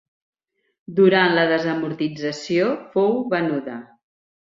Durant la desamortització fou venuda.